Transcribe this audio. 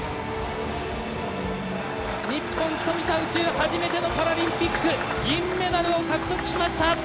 初めてのパラリンピック銀メダルを獲得しました！